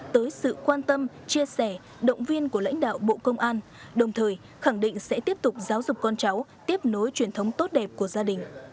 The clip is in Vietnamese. tới sự quan tâm chia sẻ động viên của lãnh đạo bộ công an đồng thời khẳng định sẽ tiếp tục giáo dục con cháu tiếp nối truyền thống tốt đẹp của gia đình